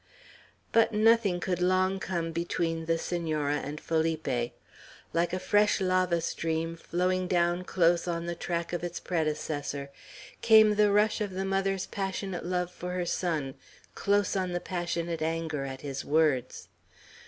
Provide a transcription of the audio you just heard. But nothing could long come between the Senora and Felipe. Like a fresh lava stream flowing down close on the track of its predecessor, came the rush of the mother's passionate love for her son close on the passionate anger at his words.